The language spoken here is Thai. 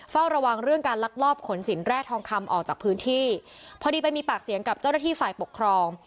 เฝ้าระวังเรื่องการลักลอบขนสินแร่ทองคำออกจากพื้นที่พอดีไปมีปากเสียงกับเจ้าหน้าที่ฝ่ายปกครอง